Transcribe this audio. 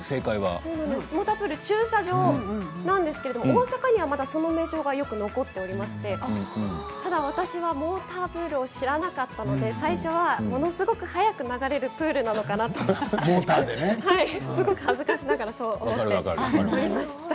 モータープール駐車場なんですけど大阪にはまだその名称が残っていましてただ私はモータープールを知らなかったので最初はものすごく早く流れるプールなのかな？と思いました。